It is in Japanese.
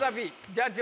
ジャッジ